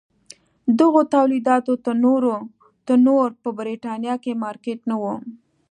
دغو تولیداتو ته نور په برېټانیا کې مارکېټ نه و.